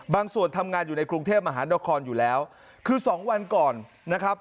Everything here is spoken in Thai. ส่วนทำงานอยู่ในกรุงเทพมหานครอยู่แล้วคือสองวันก่อนนะครับ